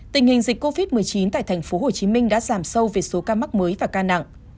tình hình dịch covid một mươi chín tại tp hcm đã giảm sâu về số ca mắc mới và ca nặng